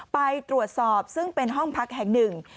ไปตรวจสอบซึ่งเป็นห้องพักแห่งหนึ่ง